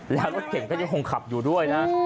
แล้วรถเก่งก็ยังคงขับอยู่ด้วยนะ